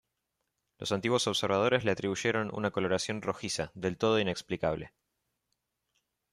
Los antiguos observadores le atribuyeron una coloración rojiza, del todo inexplicable.